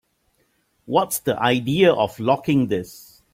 What's the idea of locking this?